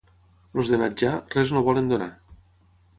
Els de Natjà, res no volen donar.